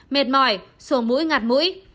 mệt mỏi sổ mũi ngạt mũi